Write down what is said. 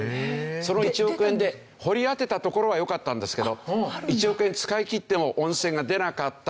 その１億円で掘り当てたところはよかったんですけど１億円使い切っても温泉が出なかった。